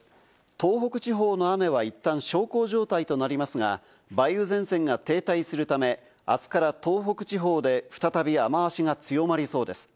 東北地方の雨はいったん小康状態となりますが、梅雨前線が停滞するため、あすから東北地方で再び雨脚が強まりそうです。